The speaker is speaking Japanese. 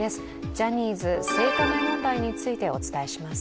ジャニーズ事務所、性加害問題についてお伝えします。